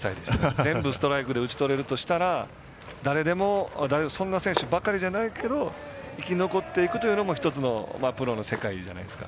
全部ストライクで打ち取れるとしたら誰でもそんな選手ばかりじゃないけど生き残っていくというのも１つのプロの世界じゃないですか。